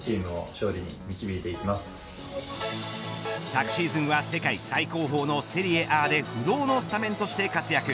昨シーズンは世界最高峰のセリエＡで不動のスタメンとして活躍。